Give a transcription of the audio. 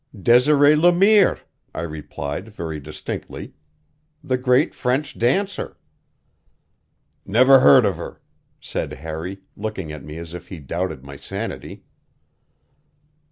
"Desiree Le Mire," I replied very distinctly. "The great French dancer." "Never heard of her," said Harry, looking at me as if he doubted my sanity.